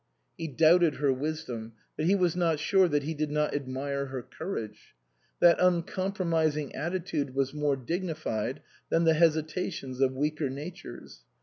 He doubted her wisdom ; but he was not sure that he did not admire her courage. That un compromising attitude was more dignified than the hesitations of weaker natures.